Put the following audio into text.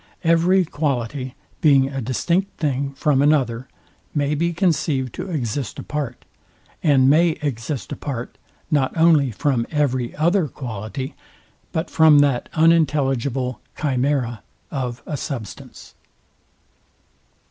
Every quality being a distinct thing from another, may be conceived to exist apart, and may exist apart, not only from every other quality, but from that unintelligible chimera of a substance.